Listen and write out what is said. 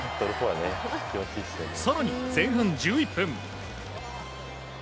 更に前半１１分。